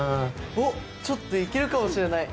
おっちょっといけるかもしれない！